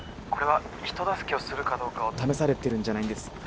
これは人助けをするかどうかを試されてるんじゃないんです。